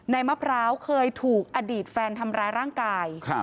มะพร้าวเคยถูกอดีตแฟนทำร้ายร่างกาย